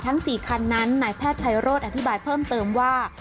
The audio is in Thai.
๔คันนั้นนายแพทย์ไพโรธอธิบายเพิ่มเติมว่า